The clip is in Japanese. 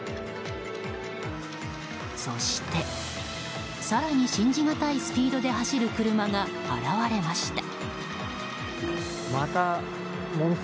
そして、更に信じがたいスピードで走る車が現れました。